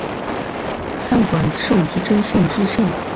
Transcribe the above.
散馆授仪征县知县。